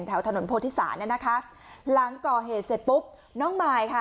แถวถนนโพธิศาลเนี่ยนะคะหลังก่อเหตุเสร็จปุ๊บน้องมายค่ะ